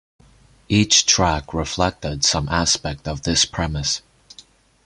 Each track reflected some aspect of this premise.